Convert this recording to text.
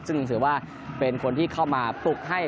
ซึ่งถือว่าเป็นคนที่เข้ามาปลุกให้